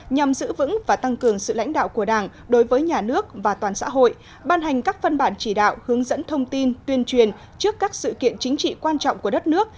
nhằm giữ vững và tăng cường sự lãnh đạo của đảng đối với nhà nước và toàn xã hội ban hành các phân bản chỉ đạo hướng dẫn thông tin tuyên truyền trước các sự kiện chính trị quan trọng của đất nước